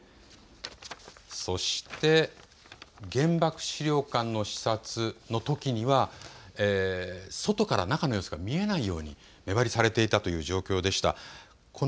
そして原爆資料館の視察のときには外から中の様子が見られないように目張りされていたという状況でした。